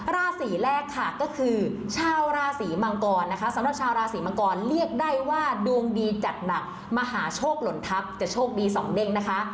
ราศีแรกค่ะก็คือชาวราศีมังกรนะคะสำหรับชาวราศีมังกรเรียกได้ว่าดวงดีจัดหนักมหาโชคหล่นทัพจะโชคดีสองเด้งนะคะ